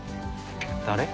誰？